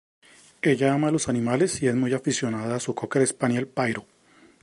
Ella ama a los animales y es muy aficionada a su cocker spaniel, "Pyro".